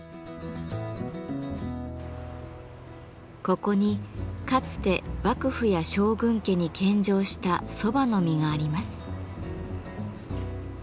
ここにかつて幕府や将軍家に献上した蕎麦の実があります。